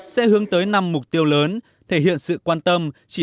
sẽ hướng tới năm mục tiêu lớn thể hiện sự quan tâm